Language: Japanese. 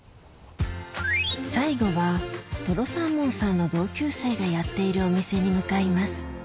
最後はとろサーモンさんの同級生がやっているお店に向かいます